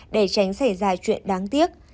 để tránh xảy ra chuyện đáng tiếc